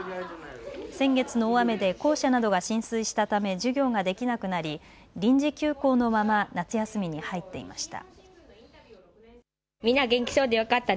先月の大雨で校舎などが浸水したため授業ができなくなり臨時休校のまま夏休みに入っていました。